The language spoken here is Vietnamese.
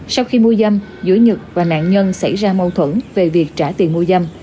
sau khi mua dâm giữa nhật và nạn nhân xảy ra mâu thuẫn về việc trả tiền mua dâm